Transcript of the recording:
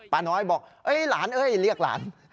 ป้าน้อยบอกเอ้ยหลานเรียกหลาน